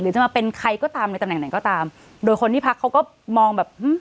จะมาเป็นใครก็ตามในตำแหน่งไหนก็ตามโดยคนที่พักเขาก็มองแบบอืม